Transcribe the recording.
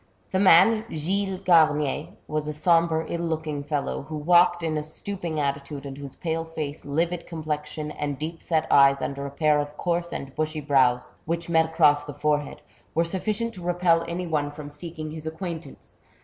The man, Gilles Garnier, was a sombre, iU looking fellow, who walked in a stooping attitude, and whose pale face, livid complexion, and deep set eyes under a pair of coarse and bushy brows, which met across the forehead, were sufficient to repel any one from seeking his acquaintance.